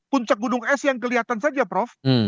puncak gunung es yang kelihatan saja prof